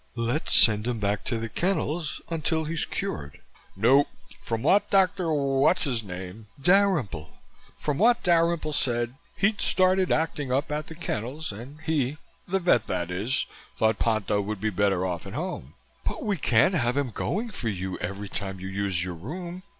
"Let's send him back to the kennels until he's cured." "Nope! From what Dr. Whatsisname " "Dalrymple." "From what Dalrymple said, he'd started acting up at the kennels and he the vet, that is thought Ponto would be better off at home." "But we can't have him going for you every time you use your room."